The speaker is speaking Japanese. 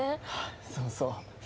そうそう。